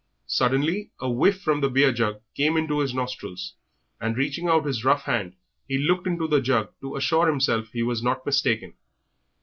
Suddenly a whiff from the beer jug came into his nostrils, and reaching out his rough hand he looked into the jug to assure himself he was not mistaken.